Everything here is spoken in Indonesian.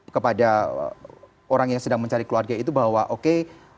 kepada orang yang sedang mencari keluarga itu bahwa oke